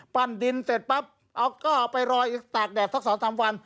ปั่นดินเสร็จปั๊บเอาก็ไปรออีกตากแดดสักสองสามวัน